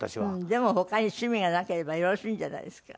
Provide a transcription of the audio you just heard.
でも他に趣味がなければよろしいんじゃないですか？